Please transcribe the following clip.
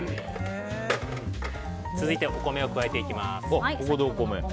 続いて、お米を加えていきます。